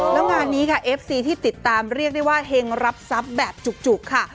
แล้วงานนี้ค่ะเอฟซีที่ติดตามเรียกได้ว่าเฮงรับทรัพย์แบบจุกค่ะ